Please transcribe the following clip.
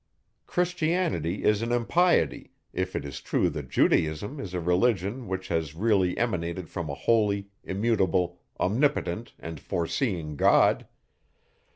Christianity is an impiety, if it is true that Judaism is a religion which has really emanated from a holy, immutable, omnipotent, and foreseeing God.